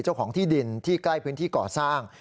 เจ้าของที่ดินที่ใกล้พื้นที่ก่อสร้าง